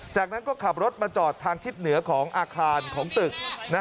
จากนั้นก็ขับรถมาจอดทางทิศเหนือของอาคารของตึก